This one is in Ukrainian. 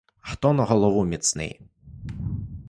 Хто на голову міцний?